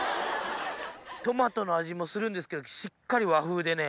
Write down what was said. トマトの味もするんですけどしっかり和風でね。